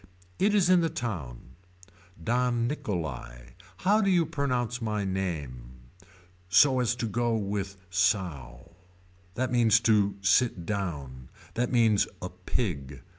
It is in the town. Don Nicholai. How do you pronounce my name. So as to go with sow. That means to sit down. That means a pig.